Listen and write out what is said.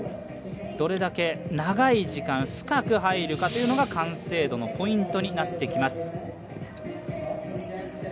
どれだけ長い時間深く入るかというのが完成度のポイントになってきます。